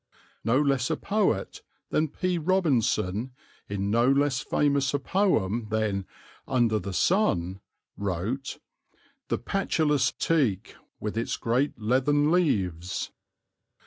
No less a poet than P. Robinson, in no less famous a poem than "Under the Sun," wrote, "The patulous teak, with its great leathern leaves."